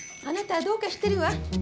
あなたどうかしてるわ。